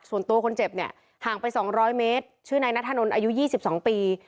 ส่วนตัวคนเจ็บเนี่ยห่างไป๒๐๐เมตรชื่อนายนัทธนนท์อายุ๒๒ปี